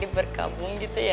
berkabung gitu ya